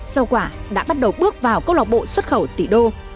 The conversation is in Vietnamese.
rau quả đã bắt đầu bước vào câu lọc bộ xuất khẩu tỷ đô